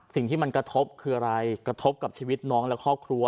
สิ่งที่มันกระทบคืออะไรกระทบกับชีวิตน้องและครอบครัว